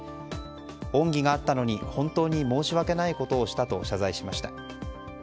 恩義があったのに本当に申し訳ないことをしたと謝罪しました。